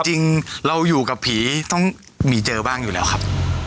จริงเราอยู่กับผีต้องมีเจอบ้างอยู่แล้วครับ